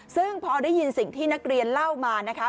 ซึ่งพอได้ยินสิ่งที่นักเรียนเล่ามานะคะ